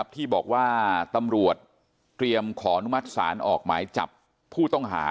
ที่บอกว่าตำรวจเตรียมขอนุมัติศาลออกหมายจับผู้ต้องหา